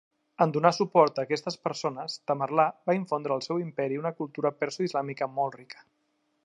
En donar suport a aquestes persones, Tamerlà va infondre al seu imperi una cultura perso-islàmica molt rica.